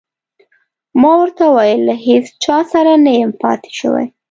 ما ورته وویل: له هیڅ چا سره نه یم پاتې شوی.